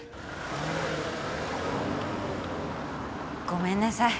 ごめんなさい。